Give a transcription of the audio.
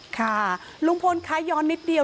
ค่ะลุงพลคะย้อนนิดเดียว